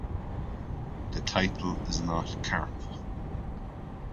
The title is not Karp.